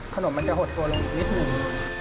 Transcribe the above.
มันจะหดตัวลงอีกนิดหนึ่ง